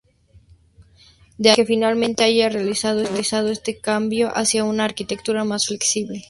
De ahí que finalmente haya realizado este cambio hacia una arquitectura más flexible.